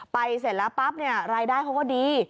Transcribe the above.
ไปเสร็จแล้วปั๊บรายได้เขาก็ดี